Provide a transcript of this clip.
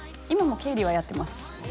今も経理はやってます